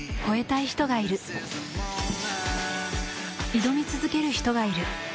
挑み続ける人がいる。